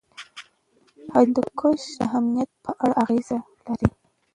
هندوکش د امنیت په اړه اغېز لري.